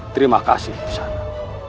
terima kasih guru sipram